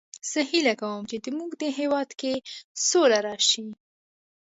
زه هیله کوم چې د مونږ هیواد کې سوله راشي